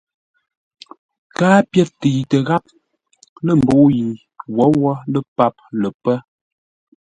Káa pyér təitə gháp lə̂ mbə̂u yi wǒwó lə́ páp lə pə́.